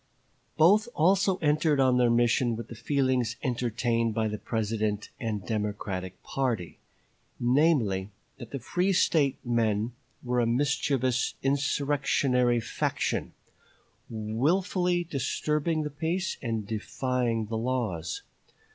Both also entered on their mission with the feelings entertained by the President and Democratic party; namely, that the free State men were a mischievous insurrectionary faction, willfully disturbing the peace and defying the laws.